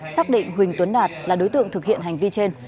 xác định huỳnh tuấn đạt là đối tượng thực hiện hành vi trên